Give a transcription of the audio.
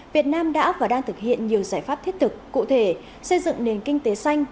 việt nam đã và đang thực hiện nhiều giải pháp thiết thực cụ thể xây dựng nền kinh tế xanh